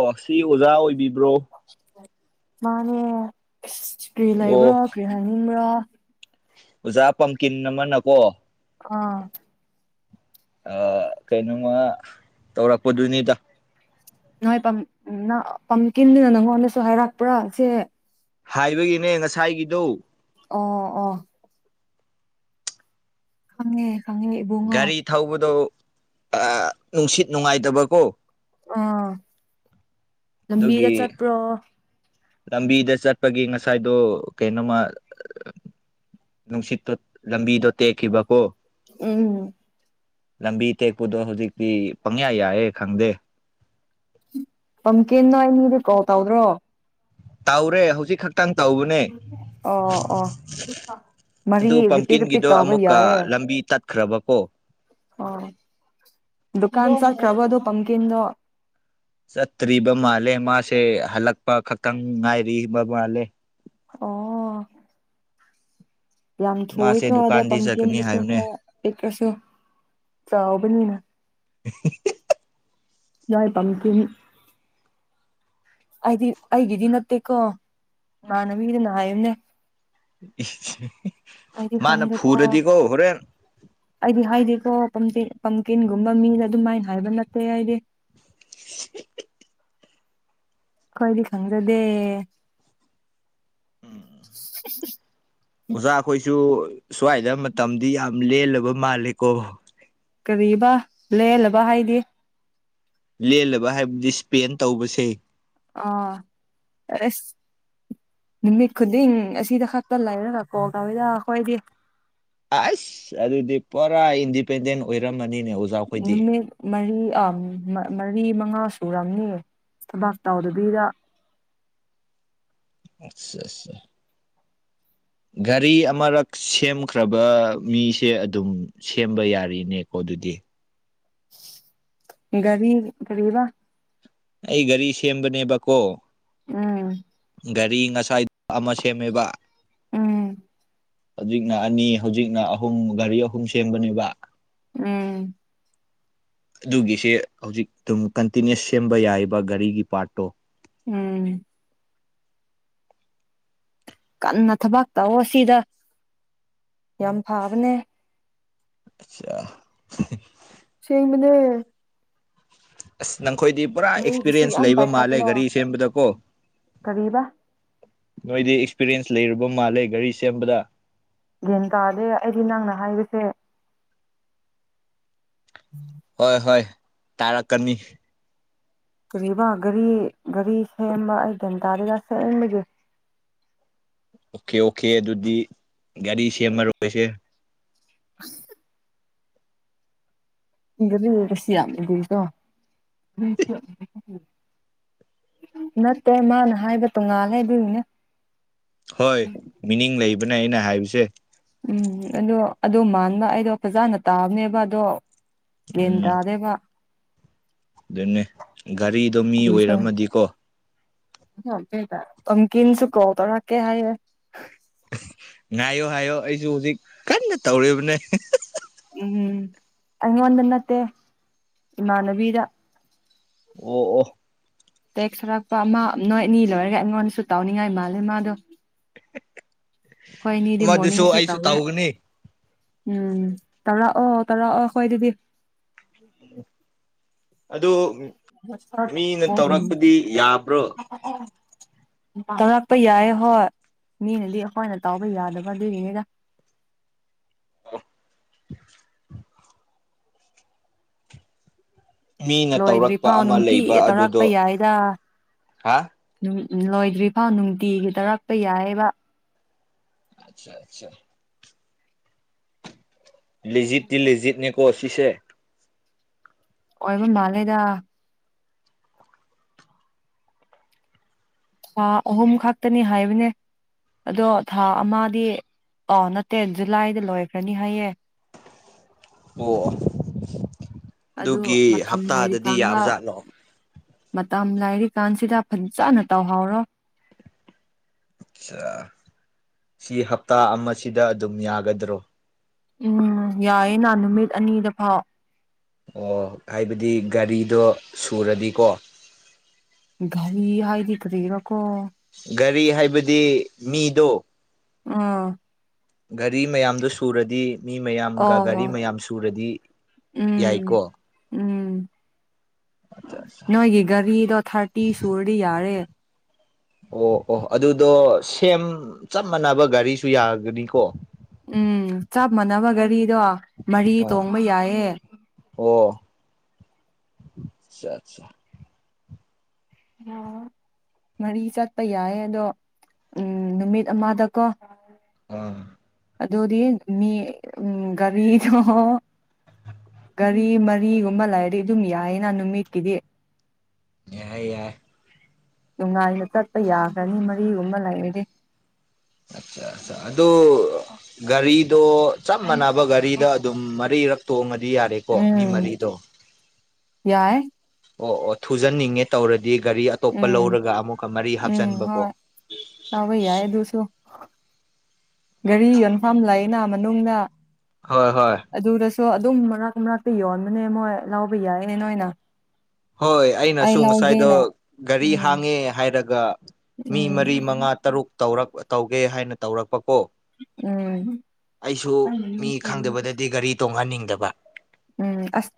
ꯑꯣ ꯁꯤ ꯑꯣꯖꯥ ꯑꯣꯏꯕꯤꯕ꯭ꯔꯣ ꯃꯥꯅꯦ ꯀꯔꯤ ꯑꯣ ꯂꯩꯕ꯭ꯔꯥ ꯀꯔꯤ ꯍꯥꯏꯅꯤꯡꯕ꯭ꯔꯥ ꯑꯣꯖꯥ ꯄꯝꯀꯤꯟ ꯑꯃꯅꯀꯣ ꯑꯥ ꯑ ꯀꯩꯅꯣꯃ ꯇꯧꯔꯛꯄꯗꯨꯅꯤꯗ ꯅꯣꯏꯝ ꯅ ꯄꯝꯀꯤꯤꯟꯗꯨꯅ ꯅꯪꯉꯣꯟꯗꯁꯨ ꯍꯥꯏꯔꯛꯄ꯭ꯔꯥ ꯁꯤꯦ ꯍꯥꯏꯕꯒꯤꯅꯦ ꯉꯁꯥꯏꯒꯤꯗꯨꯣ ꯑ ꯑ ꯍꯪꯦ ꯒꯥꯔꯤ ꯊꯧꯕꯗꯣ ꯅꯨꯡꯁꯤꯠ ꯅꯨꯡꯉꯥꯏꯇꯕꯀꯣ ꯑꯥ ꯂꯝꯃꯤꯗ ꯑꯗꯨꯒꯤ ꯆꯠꯄ꯭ꯔꯣ ꯂꯝꯕꯤꯗ ꯆꯠꯄꯒꯤ ꯉꯁꯥꯏꯗꯣ ꯀꯩꯅꯣꯃ ꯅꯨꯡꯁꯤꯠꯇꯣ ꯂꯝꯕꯤꯗꯣ ꯇꯦꯛꯈꯤꯕꯀꯣ ꯎꯝ ꯂꯝꯕꯤ ꯇꯦꯛꯄꯗꯣ ꯍꯧꯖꯤꯛꯇꯤ ꯄꯪꯌꯥ ꯌꯥꯑꯦ ꯈꯪꯗꯦ ꯄꯝꯀꯦꯅ ꯑꯩꯅꯤꯗꯤ ꯀꯣꯜ ꯇꯧꯗ꯭ꯔꯣ ꯇꯥꯎꯔꯦ ꯍꯧꯖꯤꯛ ꯈꯛꯇꯪ ꯇꯧꯕꯅꯦ ꯑꯣ ꯑꯣ ꯃꯔꯤ ꯑꯗꯨ ꯔꯤꯄꯤꯠ ꯔꯤꯄꯤꯠ ꯄꯝꯀꯤꯟꯒꯤꯗꯣ ꯇꯧꯕ ꯑꯃꯨꯛꯀ ꯌꯥꯏꯌꯦ ꯂꯝꯕꯤ ꯇꯠ ꯀ꯭ꯔꯕꯀꯣ ꯑꯣ ꯗꯨꯀꯥꯟ ꯁꯥ ꯔ꯭ꯔꯋꯥꯗꯨꯣ ꯄꯝꯀꯤꯗꯣ ꯆꯠꯇ꯭ꯔꯤꯕ ꯃꯥꯜꯂꯦ ꯃꯥꯁꯦ ꯍꯜꯂꯛꯄ ꯈꯛꯇꯪ ꯉꯥꯏꯔꯤꯕ ꯃꯥꯜꯂꯦ ꯑꯣ ꯌꯥꯝ ꯊꯨꯏꯀꯣ ꯃꯥꯁꯦ ꯑꯗ ꯗꯨꯀꯥꯟꯗꯤ ꯆꯠꯀꯅꯤ ꯄꯝꯀꯤꯦꯟꯗꯨꯁꯨ ꯍꯥꯏꯕꯅꯦ ꯈ ꯄꯤꯛꯈ꯭ꯔꯁꯨ ꯆꯥꯕꯅꯤꯅ ꯌꯥꯏ ꯄꯝ ꯀꯅꯤ ꯑꯩꯗꯤ ꯑꯩꯒꯤꯗꯤ ꯅꯠꯇꯦꯀꯣ ꯏꯃꯥꯟꯅ ꯃꯤꯒꯤꯗꯤ ꯅ ꯍꯥꯏꯌꯨꯅꯦ ꯃꯥꯅ ꯈꯪꯗꯦꯀꯣ ꯐꯨꯔꯗꯤꯀꯣ ꯍꯣꯔꯦꯟ ꯑꯩꯗꯤ ꯍꯥꯏꯗꯤꯀꯣ ꯄꯝ ꯄꯝꯀꯤꯟꯒꯨꯝꯕ ꯃꯤꯗ ꯑꯗꯨꯃꯥꯏꯅ ꯍꯥꯏꯕ ꯅꯠꯇꯦ ꯍꯥꯏꯗꯤ ꯀꯣꯏꯂꯤ ꯈꯪꯖꯗꯦ ꯎꯝ ꯎ [unintelligible] ꯑꯣꯖꯥ ꯑꯩꯈꯣꯏꯁꯨ ꯁ꯭ꯋꯥꯏꯗ ꯃꯇꯝꯗꯤ ꯌꯥꯝ ꯂꯦꯜꯂꯕ ꯃꯥꯜꯂꯦꯀꯣ ꯀꯔꯤꯕ ꯂꯦꯜꯂꯕ ꯍꯥꯏꯗꯤ ꯂꯦꯜꯂꯕ ꯍꯥꯏꯕꯗꯤ ꯏꯁꯄꯦꯟ ꯇꯧꯕꯁꯦ ꯑꯥ ꯑꯁ ꯅꯨꯃꯤꯠ ꯈꯨꯗꯤꯡ ꯑꯁꯤꯗ ꯈꯛꯇ ꯂꯩꯔꯒ ꯀꯣ ꯀꯋꯏꯗ ꯑꯩꯈꯣꯏꯗꯤ ꯑꯁ ꯑꯗꯨꯗꯤ ꯄꯨꯔꯥ ꯏꯟꯗꯤꯄꯦꯟꯗꯦꯟ ꯑꯣꯏꯔꯝꯃꯅꯤ ꯅꯨꯃꯤꯠ ꯃꯔꯤ ꯃꯔꯤ ꯃꯉꯥ ꯁꯨꯔꯝꯅꯦ ꯊꯕꯥꯛ ꯇꯥꯎꯗꯕꯤꯗ ꯑꯆꯥ ꯑꯆꯥ ꯎ [unintelligible] ꯒꯥꯔꯤ ꯑꯃꯔꯛ ꯁꯦꯝꯈ꯭ꯔꯕ ꯃꯤꯁꯦ ꯑꯗꯨꯝ ꯁꯦꯝꯕ ꯌꯥꯔꯤꯅꯦꯀꯣ ꯑꯗꯨꯗꯤ [unintelligible] ꯒꯔꯤ ꯀꯔꯤꯕ ꯑꯩ ꯒꯥꯔꯤ ꯁꯦꯝꯕꯅꯦꯕꯀꯣ ꯎꯝ ꯒꯥꯔꯤ ꯉꯁꯥꯏꯗ ꯑꯃ ꯁꯦꯝꯃꯦꯕ ꯎꯝ ꯍꯧꯖꯤꯛꯅ ꯑꯅꯤ ꯍꯧꯖꯤꯛꯅ ꯑꯍꯨꯝ ꯒꯥꯔꯤ ꯑꯍꯨꯝ ꯁꯦꯝꯕꯅꯦꯕ ꯎꯝ ꯑꯗꯨꯒꯤꯁꯦ ꯍꯧꯖꯤꯛ ꯑꯗꯨꯝ ꯀꯟꯇꯤꯅꯤ꯭ꯨꯁ ꯁꯦꯝꯕ ꯌꯥꯏꯕ ꯒꯥꯔꯤꯒꯤ ꯄꯥꯔꯠꯇꯣ ꯎꯝ ꯀꯟꯅ ꯊꯕꯥꯛ ꯇꯧꯑꯣ ꯁꯤꯗ ꯌꯥꯝ ꯐꯕꯅꯦ ꯑꯆꯥꯆꯥ ꯁꯦꯝꯃꯤꯅꯦ ꯑꯁ ꯅꯪꯈꯣꯏꯗꯤ ꯄꯨꯔꯥ ꯃꯤꯒꯤꯁꯨ ꯑꯦꯛꯁꯄꯤꯔꯤꯌꯦꯟꯁ ꯌꯥꯝ ꯂꯩꯕ ꯃꯥꯜꯂꯦ ꯄꯥꯏꯈꯠꯂꯣ ꯒꯥꯔꯤ ꯁꯦꯝꯕꯗꯀꯣ ꯀꯔꯤꯕ ꯅꯣꯏꯗꯤ ꯑꯦꯛꯁꯄꯤꯔꯤꯌꯦꯟꯁ ꯂꯩꯨꯔꯕ ꯃꯥꯜꯂꯦ ꯒꯥꯔꯤ ꯁꯦꯝꯕꯗ ꯁꯦ [inaudible] ꯍꯣꯏ ꯍꯣꯏ ꯇꯥꯔꯛꯀꯅꯤ ꯀꯔꯤꯕꯥ ꯒꯥꯔꯤ ꯒꯥꯔꯤ ꯁꯦꯝꯕ ꯑꯩ ꯔꯤꯝ ꯇꯥꯗꯦꯗ ꯁꯦꯝꯕꯒꯦ [unintelligible] ꯑꯣꯀꯦ ꯑꯣꯀꯦ ꯑꯗꯨꯗꯤ ꯒꯥꯔꯤ ꯁꯦꯝꯃꯔꯣꯏꯁꯦ [unintelligible] ꯏꯗꯤ ꯔꯁꯤꯌꯥꯌꯥꯝ ꯏꯇꯣ [unintelligible] ꯅꯠꯇꯦ ꯃꯥꯅ ꯍꯥꯏꯕ ꯇꯣꯉꯥꯜꯂꯦ ꯑꯗꯨꯅꯤꯅꯦ ꯍꯣꯏ ꯃꯤꯅꯤꯡ ꯂꯩꯕꯅꯦ ꯑꯩꯅ ꯍꯥꯏꯕꯁꯦ ꯎꯝ ꯑꯗꯣ ꯑꯗꯣ ꯃꯥꯟꯕ ꯑꯩꯗꯣ ꯐꯖꯥꯅ ꯇꯥꯕꯅꯦꯕ ꯑꯗꯣ ꯃꯦꯜ ꯎꯝ ꯇꯥꯔꯥꯕ ꯑꯗꯨꯅꯦ ꯒꯥꯔꯤꯗꯣ ꯃꯤ ꯑꯣꯏꯔꯝꯃꯗꯤꯀꯣ [unintelligible] ꯄꯝꯀꯤꯜꯁꯨ [unintelligible] ꯉꯥꯏꯌꯣ ꯍꯥꯏꯌꯣ ꯑꯩꯁꯨ ꯍꯧꯖꯤꯛ ꯀꯟꯅ ꯇꯧꯔꯤꯕꯅꯦ ꯎꯝ ꯑꯩꯉꯣꯟꯗ ꯅꯠꯇꯦ ꯏꯃꯥꯟꯅꯕꯤꯗ ꯑꯣ ꯑꯣ ꯇꯦꯛꯁ ꯊꯔꯛꯄ ꯑꯃ ꯅꯣꯏ ꯑꯅꯤ ꯂꯣꯏꯔꯒ ꯑꯩꯉꯣꯟꯗꯁꯨ ꯇꯥꯎꯅꯤꯡꯉꯥꯏ ꯃꯥꯜꯂꯦ ꯃꯥꯗꯣ ꯍꯣꯏꯅꯤꯗꯤ ꯃꯗꯨꯁꯨ ꯃꯣꯔꯅꯤꯡꯁꯨ ꯑꯩꯁꯨ ꯇꯧꯋꯦ ꯇꯧꯒꯅꯤ ꯎꯝ ꯇꯧꯔꯥꯛꯑꯣ ꯇꯧꯔꯥꯛꯑꯣ ꯀꯣꯏ ꯑꯗꯨꯗꯤ ꯑꯗꯨ ꯝ ꯃꯤꯅ ꯇꯧꯔꯛꯄꯗꯤ ꯌꯥꯕ꯭ꯔꯣ [unintelligible] ꯇꯧꯔꯛꯄ ꯌꯥꯏ ꯍꯣꯏ ꯃꯤꯅꯗꯤ ꯑꯩꯈꯣꯏꯅ ꯇꯥꯎꯕ ꯌꯥꯗꯕ ꯑꯗꯨꯔꯤꯅꯤꯗ [unintelligible] [unintelligible] ꯃꯤꯅ ꯂꯣꯏꯗ꯭ꯔꯤ ꯇꯧꯔꯛꯄ ꯐꯥꯎ ꯑꯃ ꯅꯨꯡꯇꯤ ꯂꯩꯕ ꯇꯧꯔꯥꯛꯄ ꯑꯗꯨꯗꯣ ꯌꯥꯏꯗ ꯍꯥ ꯂꯣꯏꯗ꯭ꯔꯤ ꯐꯥꯎ ꯅꯨꯡꯇꯤꯒꯤ ꯇꯔꯛꯄ ꯌꯥꯏꯕ ꯑꯆꯥ ꯑꯆꯥ ꯂꯤꯦꯖꯤꯠꯇꯤ ꯂꯤꯦꯖꯤꯠꯅꯦꯀꯣ ꯁꯤꯁꯦ ꯑꯣꯏꯕ ꯃꯥꯂꯦꯗ ꯊꯥ ꯑꯍꯨꯝ ꯈꯛꯇꯅꯤ ꯍꯥꯏꯕꯅꯦ ꯑꯗꯣ ꯊꯥ ꯑꯃꯗꯤ ꯑ ꯅꯠꯇꯦ ꯖꯨꯂꯥꯏꯗ ꯂꯣꯏꯈ꯭ꯔꯅꯤ ꯍꯥꯏꯌꯦ [unintelligible] ꯑꯣ ꯑꯗꯨ ꯑꯗꯨꯒꯤ ꯃꯇꯝ ꯍꯞꯇꯥꯗꯗꯤ ꯂꯩꯔꯤꯀꯥꯟꯗ ꯌꯥꯕꯖꯥꯠꯂꯣ ꯃꯇꯝ ꯂꯥꯏꯔꯤꯛ ꯀꯥꯟꯁꯤꯗ ꯐꯖꯅ ꯇꯧꯍꯧꯔꯣ ꯑꯆꯥ ꯁꯤ ꯍꯞꯇꯥ ꯑꯃꯁꯤꯗ ꯑꯗꯨꯝ ꯌꯥꯒꯗ꯭ꯔꯣ ꯎꯝ ꯌꯥꯏꯌꯦ ꯅ ꯅꯨꯃꯤꯠ ꯑꯅꯤꯗ ꯐꯥꯎ ꯑꯣ ꯍꯥꯏꯕꯗꯤ ꯒꯥꯔꯤꯗꯣ ꯁꯨꯔꯗꯤꯀꯣ ꯒꯔꯤ ꯍꯥꯏꯗꯤ ꯀꯔꯤꯔꯣ ꯒꯥꯔꯤ ꯍꯥꯏꯕꯗꯤ ꯃꯤꯗꯣ ꯑꯥ ꯒꯥꯔꯤ ꯃꯌꯥꯝꯗꯨ ꯁꯨꯔꯗꯤ ꯃꯤ ꯃꯌꯥꯝꯒ ꯑꯣ ꯒꯥꯔꯤ ꯃꯌꯥꯝ ꯁꯨꯔꯗꯤ ꯎꯝ ꯌꯥꯏꯀꯣ ꯎꯝ ꯅꯣꯏꯒꯤ ꯒꯥꯔꯤꯗꯣ ꯊꯥꯔꯇꯤ ꯁꯨꯔꯗꯤ ꯌꯥꯔꯦ ꯑꯣ ꯑꯣ ꯑꯗꯨꯗꯣ ꯁꯦꯝ ꯆꯞ ꯃꯥꯟꯅꯕ ꯒꯥꯔꯤꯁꯨ ꯌꯥꯒꯅꯤꯀꯣ ꯎꯝ ꯆꯞ ꯃꯥꯟꯅꯕ ꯒꯥꯔꯤꯗꯣ ꯃꯔꯤ ꯇꯣꯡꯕ ꯌꯥꯏꯌꯦ ꯆꯥꯠ ꯆꯥ ꯑ ꯃꯔꯤ ꯆꯠꯄ ꯌꯥꯏ ꯑꯗꯣ ꯎꯝ ꯅꯨꯃꯤꯠ ꯑꯃꯗꯀꯣ ꯑꯥ ꯑꯗꯨꯗꯤ ꯃꯤ ꯎꯝ ꯒꯥꯔꯤꯗꯣ ꯒꯥꯔꯤ ꯃꯔꯤꯒꯨꯝꯕ ꯂꯩꯔꯗꯤ ꯑꯗꯨꯝ ꯌꯥꯏꯌꯦꯅ ꯅꯨꯃꯤꯠꯀꯤꯗꯤ ꯌꯥꯏ ꯌꯥꯏ ꯅꯨꯡꯉꯥꯏꯅ ꯆꯠꯄ ꯌꯥꯒꯅꯤ ꯃꯔꯤꯒꯨꯝꯕ ꯂꯩꯔꯗꯤ ꯑꯆꯥ ꯑ ꯑꯗꯨ ꯒꯔꯤ ꯑꯗꯣ ꯆꯞ ꯃꯥꯟꯅꯕ ꯒꯥꯔꯤꯗ ꯑꯗꯨꯝ ꯃꯔꯤꯔꯛ ꯇꯣꯡꯉꯗꯤ ꯌꯥꯔꯦꯀꯣ ꯃꯤ ꯎꯝ ꯃꯔꯤꯗꯣ ꯌꯥꯏ ꯑꯣ ꯑꯣ ꯊꯨꯖꯟꯅꯤꯡꯉꯦ ꯇꯧꯔꯗꯤ ꯒꯥꯔꯤ ꯑꯇꯣꯞꯄ ꯎꯝ ꯂꯧꯔꯒ ꯑꯃꯨꯛꯀ ꯃꯔꯤ ꯍꯥꯞꯆꯟꯕꯀꯣ ꯑꯕꯩ ꯌꯥꯌꯦ ꯑꯗꯨꯁꯨꯣ ꯒꯥꯔꯤ ꯌꯣꯟꯐꯝ ꯂꯩꯅ ꯃꯅꯨꯡꯗ ꯍꯣꯏ ꯍꯣꯏ ꯑꯗꯨꯗꯁꯨ ꯑꯗꯨꯝ ꯃꯔꯛ ꯃꯔꯛꯇ ꯌꯣꯟꯕꯅꯦ ꯃꯣꯏ ꯂꯥꯎꯕ ꯌꯥꯏꯅꯦ ꯅꯣꯏꯅ ꯍꯣꯏ ꯑꯩ ꯑꯩꯅꯁꯨ ꯉꯁꯥꯏꯗꯣ ꯂꯧꯒꯦꯅ ꯒꯥꯔꯤ ꯎꯝ ꯍꯥꯡꯉꯦ ꯍꯥꯏꯔꯒ ꯃꯤ ꯎꯝ ꯃꯔꯤ ꯃꯉꯥ ꯇꯔꯨꯛꯧꯔꯛ ꯇꯧꯒꯦ ꯍꯥꯏꯅ ꯇꯧꯔꯛꯄ ꯀꯣ ꯎꯝ ꯑꯩꯁꯨ ꯃꯤ ꯈꯪꯗꯕꯗꯗꯤ ꯒꯥ ꯔꯤ ꯇꯣꯡꯍꯟꯅꯤꯡꯗꯕ ꯎꯝ ꯑꯁ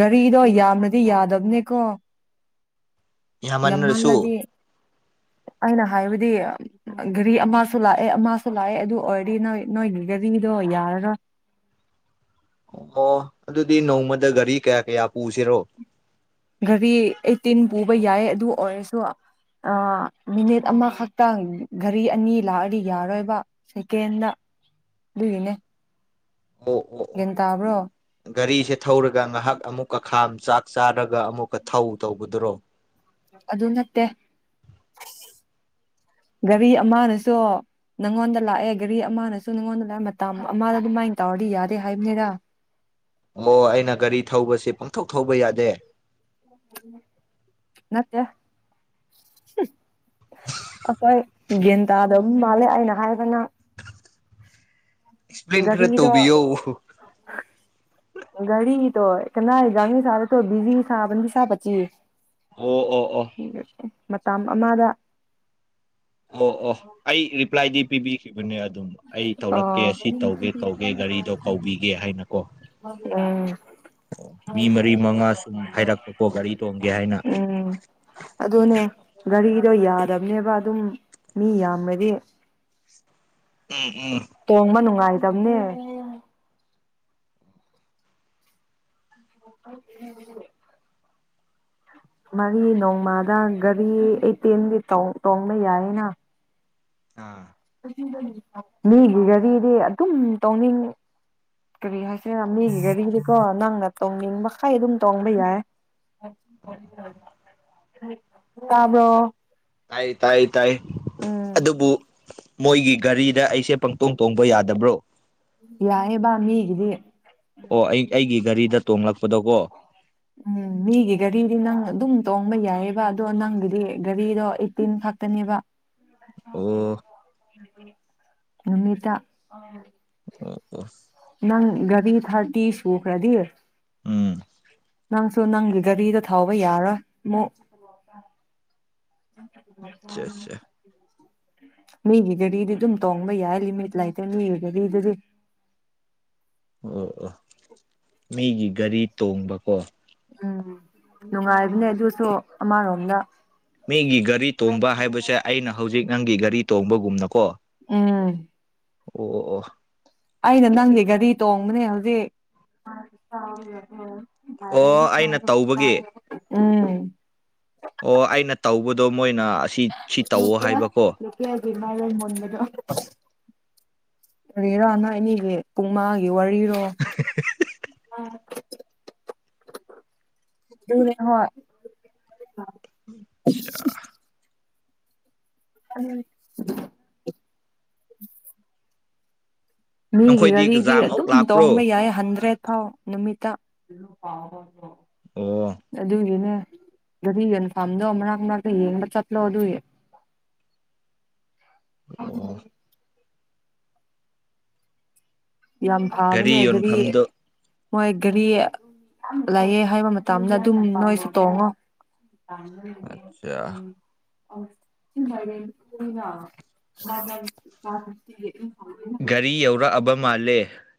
ꯒꯥꯔꯤꯗꯣ ꯌꯥꯝꯅꯗꯤ ꯌꯥꯗꯕꯅꯦꯀꯣ ꯌꯥꯝꯃꯟꯅꯁꯨ ꯌꯥꯝꯃꯜꯂꯗꯤ ꯑꯩꯅ ꯍꯥꯏꯕꯗꯤ ꯘꯔꯤ ꯑꯃꯁꯨ ꯂꯥꯛꯑꯦ ꯑꯃꯁꯨ ꯂꯥꯛꯑꯦ ꯑꯗꯨ ꯑꯣꯏꯔꯗꯤ ꯅꯣꯏ ꯅꯣꯏꯒꯤ ꯘꯔꯤꯗꯣ ꯌꯥꯔꯔ ꯎꯝ ꯑꯣ ꯑꯗꯨꯗꯤ ꯅꯣꯡꯃꯗ ꯒꯥꯔꯤ ꯀꯌꯥ ꯀꯌꯥ ꯄꯨꯁꯤꯔꯣ ꯒꯥꯔꯤ ꯑꯩꯠꯇꯤꯟ ꯄꯨꯕ ꯌꯥꯏ ꯑꯗꯨ ꯑꯣꯏꯔꯁꯨ ꯃꯤꯅꯤꯠ ꯑꯃꯈꯛꯇꯪ ꯘꯔꯤ ꯑꯅꯤ ꯂꯥꯛꯑꯗꯤ ꯌꯥꯔꯣꯏꯕ ꯁꯦꯀꯦꯟꯗ ꯑꯗꯨꯏꯅꯦ ꯑꯣ ꯑꯣ ꯑꯣ ꯌꯦ ꯇꯕ꯭ꯔꯣ ꯒꯥꯔꯤꯁꯦ ꯊꯧꯔꯒ ꯉꯥꯏꯍꯥꯛ ꯑꯃꯨꯛꯀ ꯈꯥꯝ ꯆꯥꯛ ꯆꯥꯔꯒ ꯑꯃꯨꯛꯀ ꯊꯧ ꯇꯧꯕꯗꯨꯔꯣ ꯑꯗꯨ ꯅꯠꯇꯦ ꯒꯥꯔꯤ ꯑꯃꯅꯁꯨ ꯅꯪꯉꯣꯟꯗ ꯂꯥꯛꯑꯦ ꯒꯥꯔꯤ ꯑꯃꯅꯁꯨ ꯅꯪꯉꯣꯟꯗ ꯂꯥꯛꯑꯦ ꯃꯇꯝ ꯑꯃꯗ ꯑꯗꯨꯃꯥꯏꯅ ꯇꯧꯔꯗꯤ ꯌꯥꯗꯦ ꯍꯥꯏꯕꯅꯤꯔ [inaudible] ꯑꯣ ꯑꯩꯅ ꯒꯥꯔꯤ ꯊꯧꯕꯁꯤ ꯄꯪꯊꯧꯣꯛ ꯊꯧꯕ ꯌꯥꯗꯦ ꯅꯠꯇ ꯑꯩꯈꯣꯏ ꯒꯟ ꯇꯥꯗꯕ ꯃꯥꯜꯂꯦ ꯑꯩꯅ ꯍꯥꯏꯒꯅ ꯑꯦꯛꯁꯄ꯭ꯂꯦꯟ ꯈꯔ ꯏꯗꯤ ꯇꯧꯕꯤꯌꯣ ꯀꯗꯣ ꯔꯤ ꯀꯅꯥ ꯥꯡꯅꯤ ꯁꯥꯔꯦ ꯤꯖꯤ ꯁꯥ ꯁꯥ ꯄꯆꯤ ꯑꯣ ꯑꯣ ꯑꯣ ꯃꯇꯝ ꯑꯃꯗ ꯑꯣ ꯑꯣ ꯑꯩ ꯔꯤꯄ꯭ꯂꯥꯏꯗꯤ ꯄꯤꯕꯤꯈꯤꯕ ꯅꯦ ꯑꯗꯨꯝ ꯑꯩ ꯇꯧꯔꯛꯀꯦ ꯑꯣ ꯁꯤ ꯇꯧꯒꯦ ꯇꯧꯒꯦ ꯒꯥꯔꯤꯗꯣ ꯀꯧꯕꯤꯒꯦ ꯍꯥꯏꯅꯀꯣ ꯎꯝ ꯃꯤ ꯃꯔꯤ ꯃꯉꯥ ꯁꯨꯝ ꯍꯥꯏꯔꯛꯄꯀꯣ ꯒꯥꯔꯤ ꯇꯣꯡꯒꯦ ꯍꯥꯏꯅ ꯎꯝ ꯑꯗꯨꯅꯦ ꯒꯥꯔꯤꯗꯣ ꯌꯥꯗꯕꯅꯦꯕ ꯑꯗꯨꯝ ꯃꯤ ꯌꯥꯝꯕꯗꯤ ꯎꯝ ꯎꯝ ꯇꯣꯡꯕ ꯅꯨꯡꯉꯥꯏꯇꯕꯅꯦ [inaudible] ꯃꯔꯤ ꯅꯣꯡꯃꯗ ꯒꯥꯔꯤ ꯑꯩꯠꯇꯦꯟꯒꯤ ꯇꯣꯡꯕ ꯌꯥꯏꯌꯦꯅ ꯑꯥ ꯃꯤꯒꯤ ꯒꯥꯔꯤꯗꯤ ꯑꯗꯨꯝ ꯇꯧꯅꯤꯡꯉꯤ ꯀꯔꯤ ꯍꯥꯏꯁꯤꯅ ꯃꯤꯒꯤꯒꯔꯤꯡꯁꯤꯀꯣ ꯅꯪꯅ ꯇꯣꯡꯅꯤꯡ ꯃꯈꯥꯏ ꯑꯗꯨꯝ ꯇꯣꯡꯕ ꯌꯥꯏ ꯇꯥꯕ꯭ꯔꯣ ꯇꯥꯏ ꯇꯥꯏ ꯇꯥꯏ ꯎꯝ ꯑꯗꯨꯕꯨ ꯃꯣꯏꯒꯤ ꯒꯥꯔꯤꯗ ꯑꯩꯁꯦ ꯄꯪꯇꯣꯡ ꯇꯣꯡꯕ ꯌꯥꯗꯕ꯭ꯔꯣ ꯌꯥꯑꯦꯕꯃꯤꯒꯤꯗꯤ ꯑꯣ ꯑꯩ ꯑꯩꯒꯤ ꯒꯥꯔꯤꯗ ꯇꯣꯡꯂꯛꯄꯗꯣꯀꯣ ꯎꯝ ꯃꯤꯒꯤ ꯒꯥꯔꯤꯗꯤ ꯅꯪ ꯑꯗꯨꯝ ꯇꯣꯡꯕ ꯌꯥꯏꯑꯕ ꯑꯗꯣ ꯅꯪꯒꯤꯗꯤ ꯒꯥꯔꯤꯗꯣ ꯑꯩꯠꯇꯤꯟ ꯅꯤꯕ ꯑꯣ ꯅꯨꯃꯤꯗ ꯑꯣ ꯑꯣ ꯅꯪ ꯕꯤ ꯊꯔꯇꯤ ꯁꯨꯈ ꯔꯙꯔ ꯎꯝ ꯅꯪꯁꯨ ꯅꯪꯒꯤ ꯒꯥꯔꯤꯗ ꯊꯥꯎꯧꯕ ꯌꯥꯔꯣꯏ ꯑꯃꯨ ꯑꯆꯥꯆꯥ ꯑꯆꯥ ꯃꯤꯒꯤꯗꯗꯤꯗꯤ ꯑꯗꯨꯝ ꯇꯣꯡꯕ ꯌꯥꯏ ꯂꯤꯃꯤꯠ ꯂꯩꯇꯦ ꯃꯤꯒꯤꯗꯗꯤꯗꯗꯤ [unintelligible] ꯑꯣ ꯑꯣ ꯃꯤꯒꯤ ꯒꯥꯔꯤ ꯇꯣꯡꯕꯀꯣ ꯎꯝ ꯅꯨꯡꯉꯥꯏꯕꯅꯦ ꯑꯗꯨꯁꯨ ꯑꯃꯔꯣꯝꯗ ꯃꯤꯒꯤ ꯒꯥꯔꯤ ꯇꯣꯡꯕ ꯍꯥꯏꯕꯁꯦ ꯑꯩꯅ ꯍꯧꯖꯤꯛ ꯅꯪꯒꯤ ꯒꯥꯔꯤ ꯇꯣꯡꯕꯒꯨꯝꯅꯀꯣ ꯎꯝ ꯑꯣ ꯑꯣ ꯑꯣ ꯑꯩꯅ ꯅꯪꯁ ꯒꯥꯔꯤ ꯇꯣꯡꯕꯅꯦ ꯍꯧꯖꯤꯛ ꯑꯣ ꯑꯣ ꯑꯩꯅ ꯃꯔꯔ ꯆ ꯇꯧꯕꯒꯤ ꯎ ꯑꯣ ꯑꯩꯅ ꯇꯧꯕꯗꯣ ꯃꯣꯏꯅ ꯑꯁꯤ ꯁꯤ ꯇꯧꯋꯣ ꯂꯀꯌꯥ ꯍꯥꯏꯕꯀꯣ ꯂꯀꯌꯥ ꯃꯥꯏ ꯃꯣꯟ ꯂꯩꯒ ꯔꯦꯔꯥꯅ ꯑꯅꯤꯒꯤ ꯄꯨꯡ ꯃꯉꯥꯒꯤ ꯋꯥꯔꯤꯔꯣ ꯅ ꯍ ꯑꯆꯥ ꯎ ꯃꯤꯒꯤ ꯅꯈꯣꯏꯗꯤ ꯒꯥꯔꯤꯗꯤ ꯀꯖꯥꯃꯨꯛ ꯑꯗꯨꯝ ꯇꯣꯡꯕ ꯂꯥꯛꯄ꯭ꯔꯣ ꯌꯥꯏ ꯍꯟꯗ꯭ꯔꯦꯠ ꯐꯥꯎ ꯅꯨꯃꯤꯠ ꯑꯣ ꯑꯗꯨꯒꯤꯅꯦ ꯑꯗꯨꯗꯤ ꯌꯦꯟꯐꯥꯝꯗꯣ ꯃꯅꯥꯛ ꯃꯅꯥꯛꯇ ꯌꯦꯡꯕ ꯆꯠꯂꯣ ꯑꯗꯨꯌꯦ ꯑ ꯑꯣ ꯌꯥꯝ ꯐꯕꯅ ꯒꯥꯔꯤ ꯑꯦꯒꯔꯤꯦ ꯌꯣꯟꯐꯝꯗꯣ ꯃꯣꯏ ꯒꯥꯔꯤ ꯂꯑꯦ ꯍꯥꯏꯕ ꯃꯇꯝꯗ ꯑꯗꯨꯝ ꯅꯣꯏꯁꯨ ꯇꯣꯡꯉꯣ ꯑ ꯑꯆꯥ ꯊꯤꯟꯔꯦꯟꯅ ꯒꯥꯔꯤ ꯌꯧꯔꯛꯑꯕ ꯃꯥꯜꯂꯦ